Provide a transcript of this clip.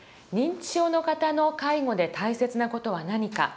認知症の方の介護で大切な事は何か。